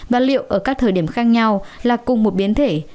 và liệu ở các thời điểm khác nhau là cùng một biến thể